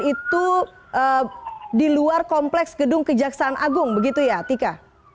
itu di luar kompleks gedung kejaksaan agung begitu ya tika